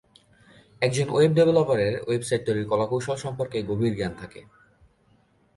একজন web developer website তৈরীর কলাকৌশল সম্পর্কে গভীর জ্ঞান থাকে।